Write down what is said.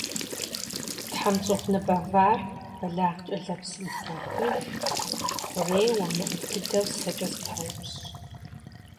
ТхьэмщӀыгъуныбэ вар бэлагъкӀэ лэпсым къыхахыж, хъурейуэ, мыӀув дыдэу сэкӀэ зэпаупщӀ.